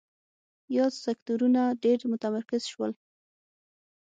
یاد سکتورونه ډېر متمرکز شول.